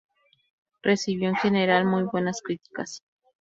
Recibió, en general, muy buenas críticas.